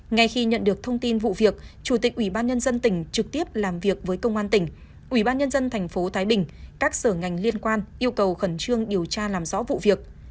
ngay khi nhận được thông tin vụ việc chủ tịch ubnd tp trực tiếp làm việc với công an tỉnh ubnd tp thái bình các sở ngành liên quan yêu cầu khẩn trương điều tra làm rõ vụ việc